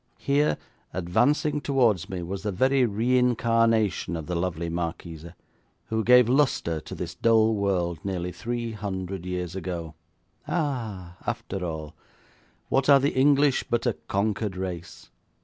Here, advancing towards me, was the very reincarnation of the lovely marquise, who gave lustre to this dull world nearly three hundred years ago. Ah, after all, what are the English but a conquered race!